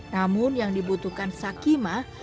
namun yang dibutuhkan sakimah